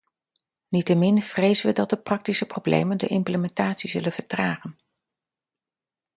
Niettemin vrezen we dat de praktische problemen de implementatie zullen vertragen.